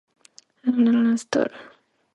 It is typically a short, wide, four-legged stool.